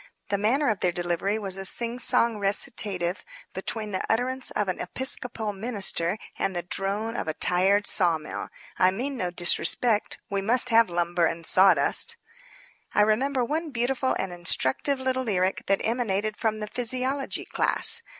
The manner of their delivery was a singsong recitative between the utterance of an Episcopal minister and the drone of a tired sawmill. I mean no disrespect. We must have lumber and sawdust. I remember one beautiful and instructive little lyric that emanated from the physiology class.